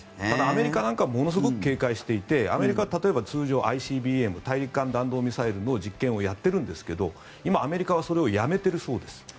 ただ、アメリカなんかはものすごく警戒していてアメリカは例えば通常ＩＣＢＭ・大陸間弾道ミサイルの実験をやっているんですが今、アメリカはそれをやめているそうです。